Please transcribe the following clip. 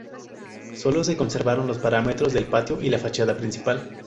Sólo se conservaron los paramentos del patio y la fachada principal.